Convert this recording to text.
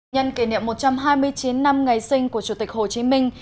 nhân kỷ niệm một trăm hai mươi chín năm ngày sinh của chủ tịch hồ chí minh